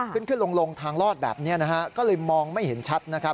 ขึ้นขึ้นลงทางรอดแบบนี้ก็เลยมองไม่เห็นชัด